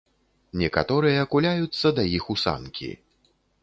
Некаторыя куляюцца да іх у санкі.